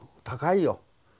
「高いよ。